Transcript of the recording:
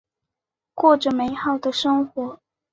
过着美好的生活。